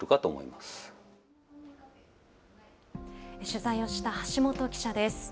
取材をした橋本記者です。